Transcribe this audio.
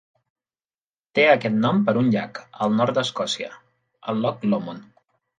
Té aquest nom per un llac al nord d'Escòcia, el Loch Lomond.